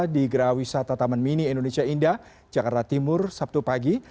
di geraha wisata taman mini indonesia indah jakarta timur sabtu pagi